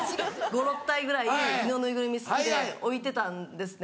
５６体ぐらい犬のぬいぐるみ好きで置いてたんですね。